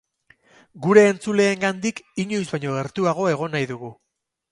Gure entzuleengandik inoiz baino gertuago egon nahi dugu.